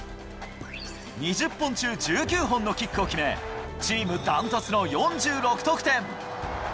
２０本中１９本のキックを決め、チームダントツの４６得点。